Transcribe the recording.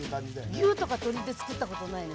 牛とか鶏で作ったことないね